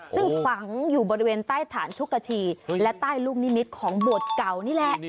ซึ่งฝังอยู่บริเวณใต้ฐานชุกชีและใต้ลูกนิมิตของโบสถ์เก่านี่แหละ